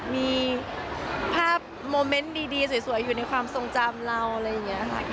มีภาพโมเมนต์ดีสวยอยู่ในความทรงจำเราอะไรอย่างนี้ค่ะ